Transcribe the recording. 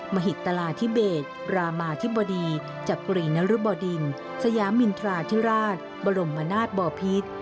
มหิตราธิเบศรามาธิบดีจักรีนรุบดินสยามินทราธิราชบรมนาศบอพิษ